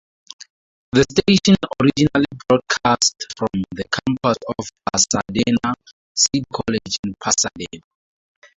The station originally broadcast from the campus of Pasadena City College in Pasadena.